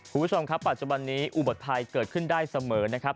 คุณผู้ชมครับปัจจุบันนี้อุบัติภัยเกิดขึ้นได้เสมอนะครับ